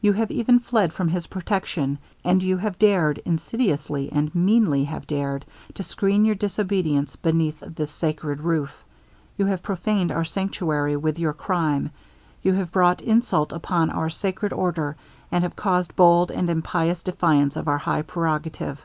You have even fled from his protection and you have dared insidiously, and meanly have dared, to screen your disobedience beneath this sacred roof. You have prophaned our sanctuary with your crime. You have brought insult upon our sacred order, and have caused bold and impious defiance of our high prerogative.